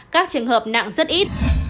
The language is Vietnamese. các trường hợp nặng rất ít